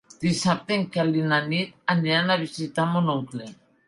Dissabte en Quel i na Nit aniran a visitar mon oncle.